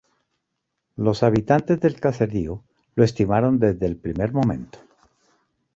Los habitantes del caserío lo estimaron desde el primer momento.